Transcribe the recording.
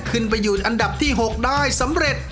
ขึ้นไปอยู่อันดับที่๖ได้สำเร็จ